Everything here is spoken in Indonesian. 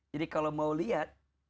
jadi kalau mau lihat